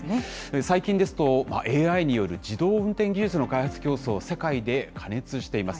最近ですと、ＡＩによる自動運転技術の開発競争、世界で過熱しています。